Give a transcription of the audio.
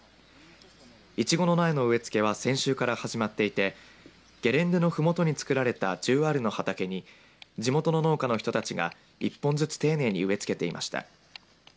いちごの苗の植え付けは先週から始まっていてゲレンデのふもとに作られた１０アールの畑に地元の農家の人たちが一本ずつ丁寧に植え付けていました。